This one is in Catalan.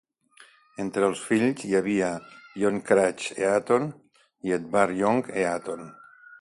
Entre els fills hi havia John Craig Eaton i Edward Young Eaton.